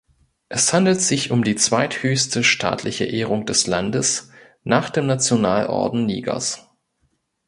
Es handelt sich um die zweithöchste staatliche Ehrung des Landes nach dem Nationalorden Nigers.